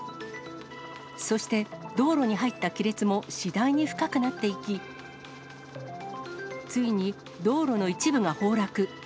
そして、道路に入った亀裂も次第に深くなっていき、ついに、道路の一部が崩落。